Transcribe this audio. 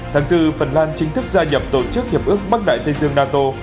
tháng bốn phần lan chính thức gia nhập tổ chức hiệp ước bắc đại tây dương nato